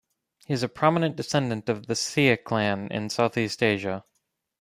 He is a prominent descendant of Seah Clan in Southeast Asia.